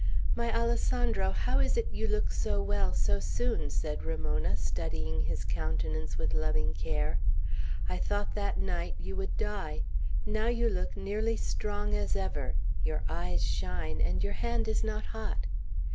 "My Alessandro, how is it you look so well, so soon?" said Ramona, studying his countenance with loving care. "I thought that night you would die. Now you look nearly strong as ever; your eyes shine, and your hand is not hot!